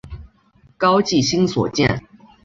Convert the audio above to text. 高季兴所建。